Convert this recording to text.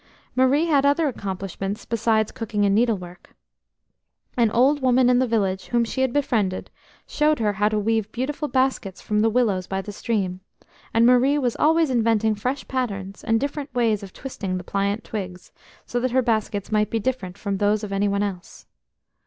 Marie had other accomplishments besides cooking and needlework. An old woman in the village whom she had befriended showed her how to weave beautiful baskets from the willows by the stream, and Marie was always inventing fresh patterns, and different ways of twisting the pliant twigs, so that her baskets might be different from those of anyone else.